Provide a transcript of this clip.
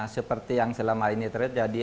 seperti yang selama ini terjadi